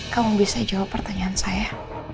kamu bisa jawab pertanyaan saya